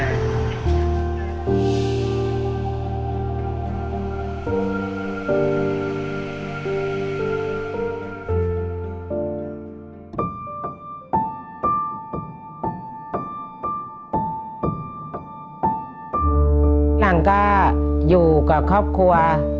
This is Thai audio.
หลังก็อยู่กับครอบครัว